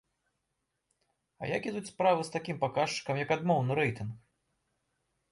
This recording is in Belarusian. А як ідуць справы з такім паказчыкам, як адмоўны рэйтынг?